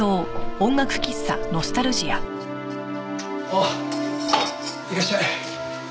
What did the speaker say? ああいらっしゃい。